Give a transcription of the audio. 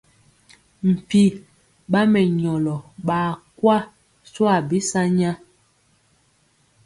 Mpi ɓa mɛnyɔlɔ ɓaa kwa swa bi sanya.